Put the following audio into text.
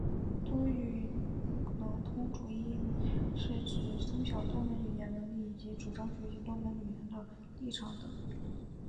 多语能通主义一词是指通晓多门语言的能力以及主张学习多门语言的立场等。